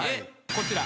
こちら。